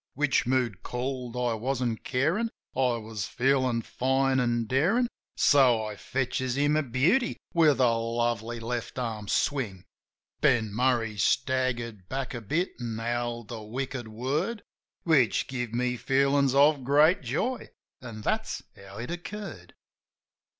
Which mood called I wasn't carin' ; I was feelin' fine an' darin' ; So I fetches him a beauty with a lovely left arm swing. Ben Murray staggered back a bit an' howled a wicked word Which gave me feelin's of great joy ... An' thafs how it occurred.